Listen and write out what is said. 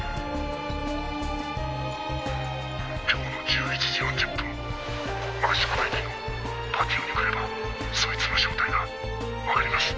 「今日の１１時４０分益子駅のパティオに来ればそいつの正体がわかります」